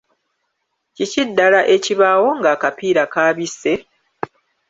Kiki ddala ekibaawo nga akapiira kaabise?